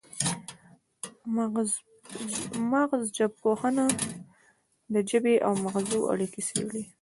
مغزژبپوهنه د ژبې او مغزو اړیکې څیړي